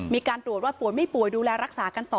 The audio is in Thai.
มีการตรวจว่าป่วยไม่ป่วยดูแลรักษากันต่อ